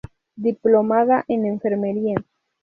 Diplomada en Enfermería.